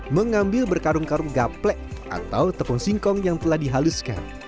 mengambil berkarung karung gaplek atau tepung singkong yang telah dihaluskan